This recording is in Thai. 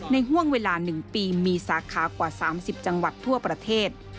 ห่วงเวลา๑ปีมีสาขากว่า๓๐จังหวัดทั่วประเทศ